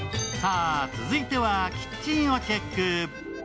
さあ、続いてはキッチンをチェック。